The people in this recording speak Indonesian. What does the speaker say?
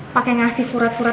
pake ngasih surat surat